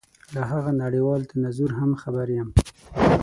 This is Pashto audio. له هغه نړېوال تناظر هم خبر یم.